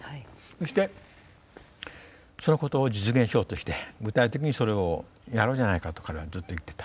そしてそのことを実現しようとして具体的にそれをやろうじゃないかと彼はずっと言ってた。